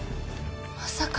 まさか。